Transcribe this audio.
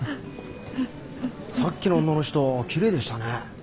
さっきの女の人きれいでしたね。